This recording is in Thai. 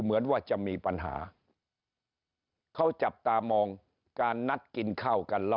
เหมือนว่าจะมีปัญหาเขาจับตามองการนัดกินข้าวกันแล้ว